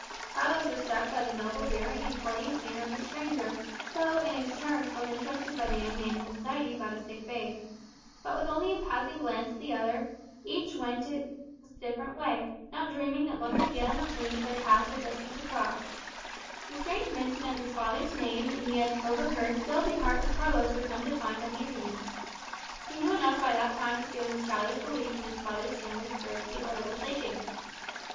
Carlos was struck by the noble bearing and courteous manner of the stranger, who, in his turn, was interested by the young man's anxiety about a sick babe. But with only a passing glance at the other, each went his different way, not dreaming that once again at least their paths were destined to cross. The strange mention of his father's name that he had overheard filled the heart of Carlos with undefined uneasiness. He knew enough by that time to feel his childish belief in his father's stainless virtue a little shaken.